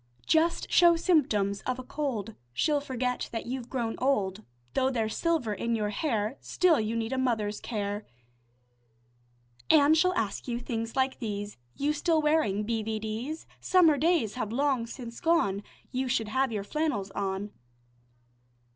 Just show symptoms of a cold, She'll forget that you've grown old. Though there's silver in your hair, Still you need a mother's care, An' she'll ask you things like these: "You still wearing b. v. d.'s? Summer days have long since gone, You should have your flannels on."